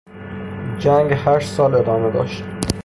جنگ هشت سال ادامه داشت.